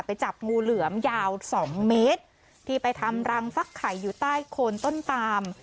จับงูเหลือมยาวสองเมตรที่ไปทำรังฟักไข่อยู่ใต้โคนต้นปาม